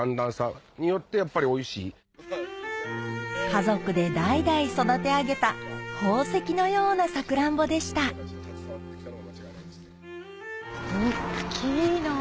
家族で代々育て上げた宝石のようなサクランボでした大っきいな。